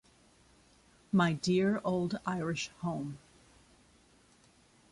My dear old Irish home.